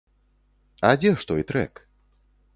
А дзе ж той трэк?